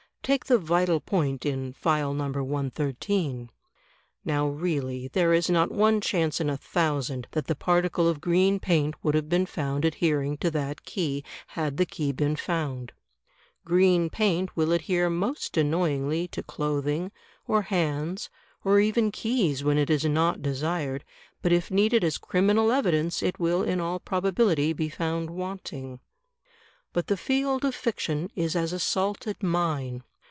Take the vital point in " File No. 113." Now really there is not one chance in a thousand that the particle of green paint would have been found adhering to that key, had the key been foimd. Green paint will adhere most annoyingly to clothing, or hands, or even ke)rs when it is not desired, but if needed as criminal evidence it will in all probability be foimd wanting. 136 THE TECHNIQUE OF THE MYSTERY STORY But the field of fiction is as a salted mine.